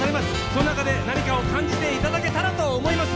その中で何かを感じていただけたらと思います。